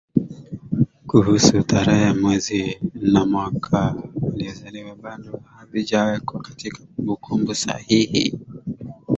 Kuhusu tarehe Mwezi na Mwaka aliozaliwa bado havijawekwa katika kumbukumbu sahihi